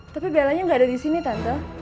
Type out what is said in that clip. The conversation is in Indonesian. tapi bellanya enggak ada di sini tante